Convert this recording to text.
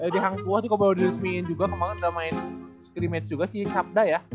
di hangtua tuh baru diresmiin juga kemarin udah main scrimmage juga si sabda ya